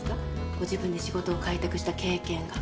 ご自分で仕事を開拓した経験が。